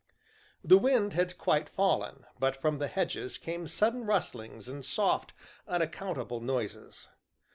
The wind had quite fallen, but from the hedges came sudden rustlings and soft, unaccountable noises.